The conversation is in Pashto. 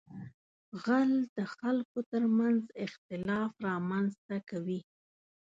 غل د خلکو تر منځ اختلاف رامنځته کوي